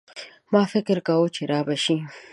ما فکر کاوه چي رابه شي.